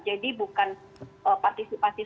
jadi bukan partisipasi